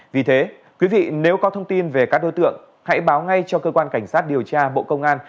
vì thế quý vị nếu có thông tin về các đối tượng hãy báo ngay cho cơ quan cảnh sát điều tra bộ công an